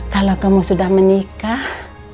kalau kamu sudah menikah